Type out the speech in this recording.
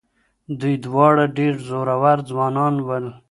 دوی دواړه ډېر زړور ځوانان ول.